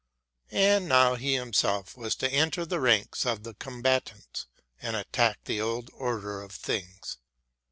And now he himself was to enter the ranks of the combatants and attack the old order of things.